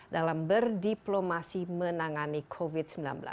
dalam berdiplomasi menangani covid sembilan belas